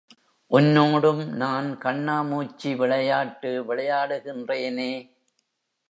உன்னோடும் நான் கண்ணா மூச்சி விளையாட்டு விளையாடுகின்றேனே!